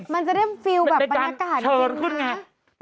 จริงมันจะได้มันจะเฟลล์แบบบรรยากาศจริงนะ